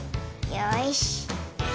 よし。